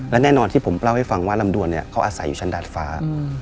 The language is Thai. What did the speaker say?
และแน่นอนที่ผมเล่าให้ฟังว่าลำดวนเขาอาศัยอยู่ชั้นดาดฟ้า